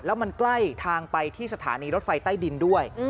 แล้วมันใกล้ทางไปที่สถานีรถไฟใต้ดินด้วย